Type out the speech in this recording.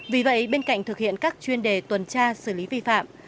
vì vậy bên cạnh thực hiện các chuyên đề tuần tra xử lý vi phạm